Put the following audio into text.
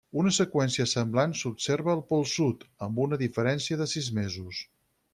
Una seqüència semblant s'observa al pol Sud, amb una diferència de sis mesos.